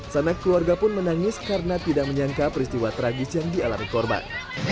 sanak keluarga pun menangis karena tidak menyangka peristiwa tragis yang dialami korban